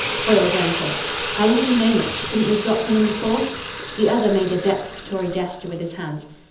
Foyle grunted. "How long have you known this? Couldn't you have dropped on 'em before?" The other made a deprecatory gesture with his hands.